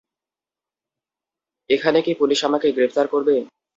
এখন কি পুলিশ আমাকে গ্রেফতার করবে?